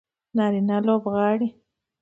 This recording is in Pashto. نارینه لوبغاړي